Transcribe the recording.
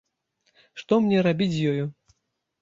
Што мне рабіць з ёю?